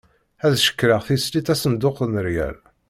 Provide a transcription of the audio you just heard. Ad cekkreɣ tislit asenduq n ryal.